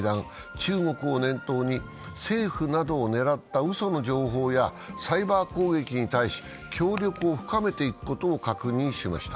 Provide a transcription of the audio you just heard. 中国を念頭に政府などを狙ったうその情報やサイバー攻撃に対し協力を深めていくことを確認しました。